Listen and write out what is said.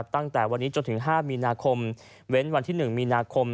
ตั้งแต่วันนี้จนถึง๕มีนาคมเว้นวันที่๑มีนาคม